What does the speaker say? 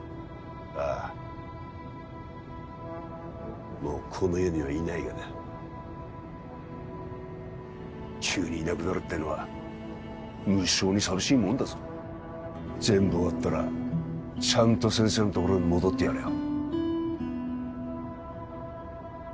ああもうこの世にはいないがな急にいなくなるってのは無性に寂しいもんだぞ全部終わったらちゃんと先生のところに戻ってやれよ